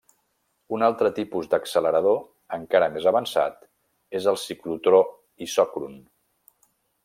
Un altre tipus d'accelerador encara més avançat és el ciclotró isòcron.